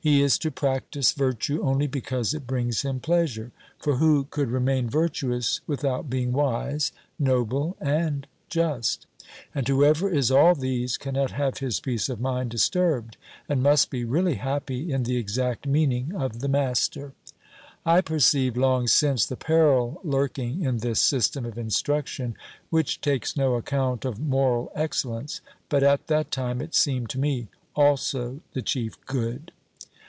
He is to practise virtue only because it brings him pleasure; for who could remain virtuous without being wise, noble, and just? and whoever is all these cannot have his peace of mind disturbed, and must be really happy in the exact meaning of the master. I perceived long since the peril lurking in this system of instruction, which takes no account of moral excellence; but at that time it seemed to me also the chief good.